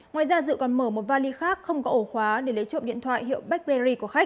ngoài ra dự còn mở một vali khác không có ổ khóa để lấy trộm điện thoại hiệu beckberry của khách